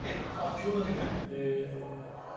今日だけでへぇ。